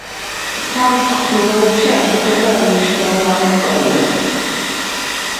თავის თხზულებებში აშუქებდა უმნიშვნელოვანეს პრობლემებს.